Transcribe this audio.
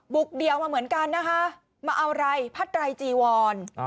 เดี่ยวมาเหมือนกันนะคะมาเอาอะไรพัดไรจีวร